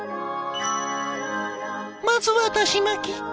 まずはだし巻き。